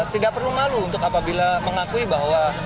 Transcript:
tidak perlu malu untuk apabila mengakui bahwa